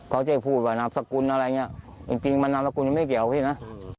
เขาจะพูดว่านามสกุลอะไรอย่างนี้จริงมันนามสกุลไม่เกี่ยวพี่นะ